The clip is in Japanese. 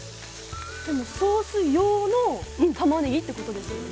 でもソース用のたまねぎってことですもんね。